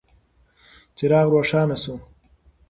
څراغ روښانه شو.